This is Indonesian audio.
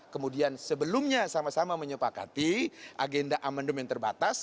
kemudian sebelumnya sama sama menyepakati agenda amendement terbatas